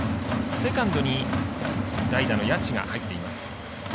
セカンドに代打の谷内が入っています。